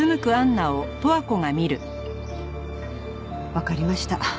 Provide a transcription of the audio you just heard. わかりました。